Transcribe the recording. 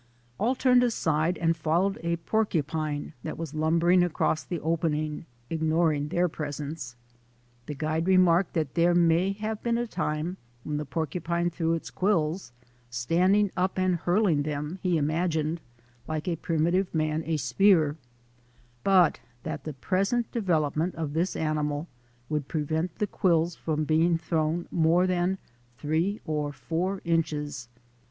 All turned aside and followed a porcupine that was lumbering across the opening, ignoring their presence. The guide remarked that there may have been a time when the porcupine threw his quills, standing up and hurling them, he imagined, like a primitive man a spear, but that the present development of this animal would prevent the quills being thrown more than three or four inches.